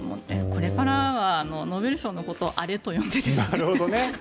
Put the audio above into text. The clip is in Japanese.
これからはノーベル賞のことをアレと呼んでですね。